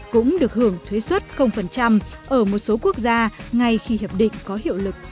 cũng được hưởng thuế xuất ở một số quốc gia ngay khi hiệp định có hiệu lực